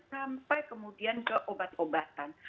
sampai kemudian ke obat obatan